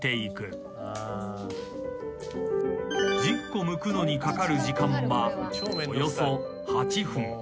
［１０個むくのにかかる時間はおよそ８分］